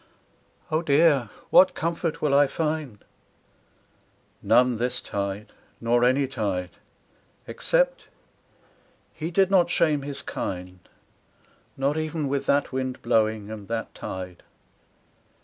'Oh, dear, what comfort can I find ?' None this tide, Nor any tide. Except he did not shame his kind — Not even with that wind blowing, and that tide.